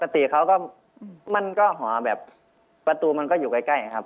ปกติเขาก็มันก็หอแบบประตูมันก็อยู่ใกล้ครับ